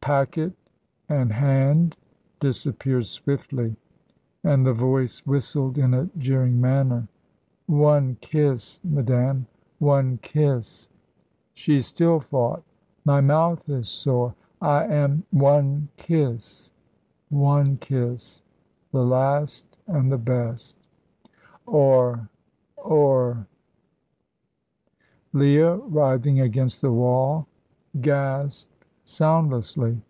Packet and hand disappeared swiftly, and the voice whistled in a jeering manner. "One kiss, madame, one kiss." She still fought. "My mouth is sore. I am " "One kiss one kiss the last and the best; or or " Leah, writhing against the wall, gasped soundlessly.